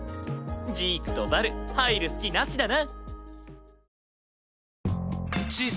ジークとバル入る隙なしだな。